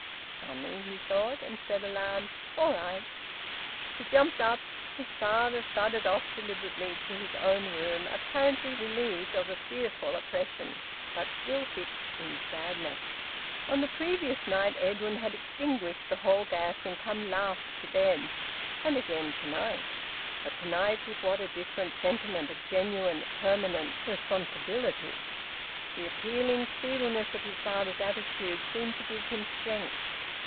"Funny!" he thought, and said aloud, "All right." He jumped up. His father thudded off deliberately to his own room, apparently relieved of a fearful oppression, but still fixed in sadness. On the previous night Edwin had extinguished the hall gas and come last to bed; and again to night. But to night with what a different sentiment of genuine, permanent responsibility! The appealing feebleness of his father's attitude seemed to give him strength.